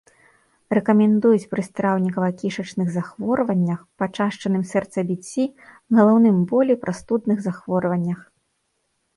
Рэкамендуюць пры страўнікава-кішачных захворваннях, пачашчаным сэрцабіцці, галаўным болі, прастудных захворваннях.